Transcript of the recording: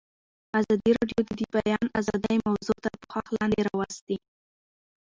ازادي راډیو د د بیان آزادي موضوع تر پوښښ لاندې راوستې.